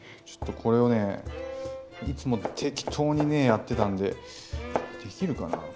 ちょっとこれをねいつも適当にねやってたんでできるかな。